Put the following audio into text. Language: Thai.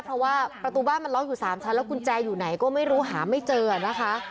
เพราะว่าประตูบ้านมันล็อกอยู่๓ชั้นแล้วกุญแจอยู่ไหนก็ไม่รู้หาไม่เจอนะคะ